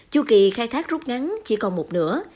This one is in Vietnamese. chu kỳ khai thác rút ngắn chỉ còn một nửa